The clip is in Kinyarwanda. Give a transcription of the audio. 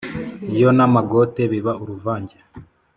Yo n'amagote biba uruvange,